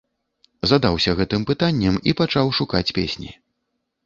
Задаўся гэтым пытаннем і пачаў шукаць песні.